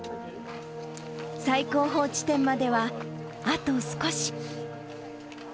最高峰地点までは、あと少し。